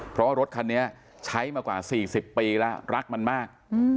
เพราะรถคันนี้ใช้มากว่า๔๐ปีแล้วรักมันมาก